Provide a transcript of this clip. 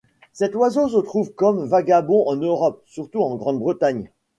Cet oiseau se trouve comme vagabond en Europe, surtout en Grande-Bretagne.